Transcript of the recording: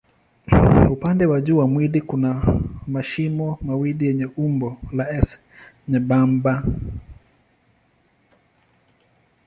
Upande wa juu wa mwili kuna mashimo mawili yenye umbo la S nyembamba.